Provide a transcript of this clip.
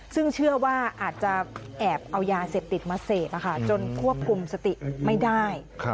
ซึ่งเชื่อว่าอาจจะแอบเอายาเสพติดมาเสพจนควบคุมสติไม่ได้